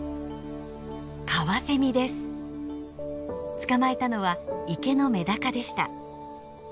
捕まえたのは池のメダカでした。